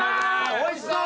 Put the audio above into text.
おいしそう！